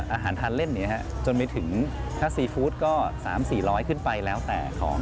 อาหารทานเล่นจนไม่ถึงถ้าซีฟู้ดก็๓๐๐๔๐๐บาทขึ้นไปแล้วแต่ของ